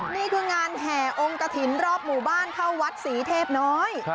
นี่คืองานแห่องกระถิ่นรอบหมู่บ้านเข้าวัดศรีเทพน้อย